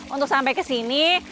untuk sampai ke sini